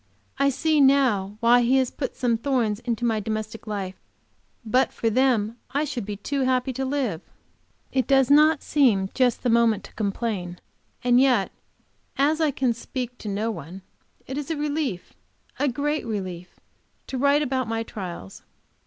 I see now why He has put some thorns into my domestic life; but for them I should be too happy to live. It does not seem just the moment to complain, and yet, as I can speak to no one, it is a relief, a great relief, to write about my trials.